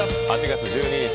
８月１２日